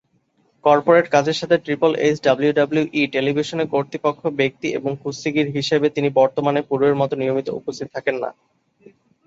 Corporate কাজের সাথে triple H W W E television কর্তৃপক্ষ ব্যক্তি এবং কুস্তিগির হিসেবে তিনি বর্তমানে পূর্বের মত নিয়মিত উপস্থিত থাকেন না।